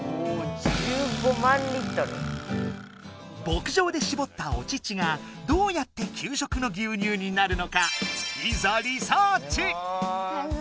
牧場でしぼったお乳がどうやって給食の牛乳になるのかいざリサーチ！